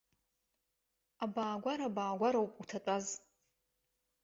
Абаагәара баагәароуп, уҭатәаз.